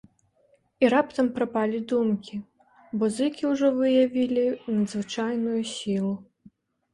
І раптам прапалі думкі, бо зыкі ўжо выявілі надзвычайную сілу.